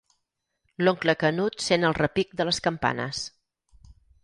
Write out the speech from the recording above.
L'oncle Canut sent el repic de les campanes.